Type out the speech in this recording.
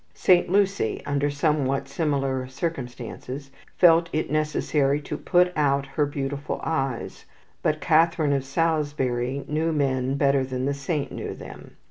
Saint Lucy, under somewhat similar circumstances, felt it necessary to put out her beautiful eyes; but Katharine of Salisbury knew men better than the saint knew them.